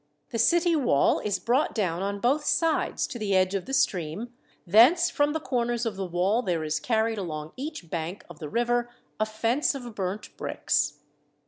The city wall is brought down on both sides to the edge of the stream, thence from the corners of the wall there is carried along each bank of the river a fence of burned bricks.